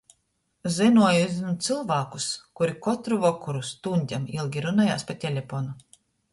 Zynuoju i zynu cylvākus, kuri kotru vokoru stuņdem ilgi runojās pa teleponu.